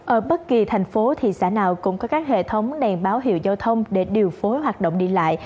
ở bất kỳ thành phố thị xã nào cũng có các hệ thống đèn báo hiệu giao thông để điều phối hoạt động đi lại